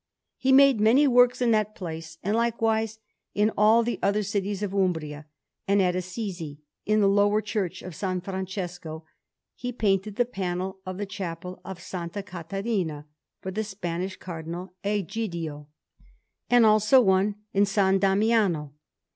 He made many works in that place, and likewise in all the other cities of Umbria; and at Assisi, in the lower Church of S. Francesco, he painted the panel of the Chapel of S. Caterina, for the Spanish Cardinal Egidio, and also one in S. Damiano.